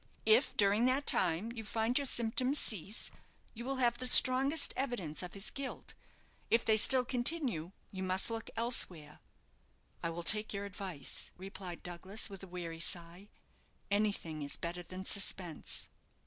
If during that time you find your symptoms cease, you will have the strongest evidence of his guilt; if they still continue, you must look elsewhere." "I will take your advice," replied Douglas, with a weary sigh; "anything is better than suspense."